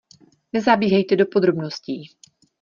Nezabíhejte do podrobností.